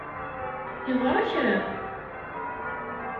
Yeḍra kra.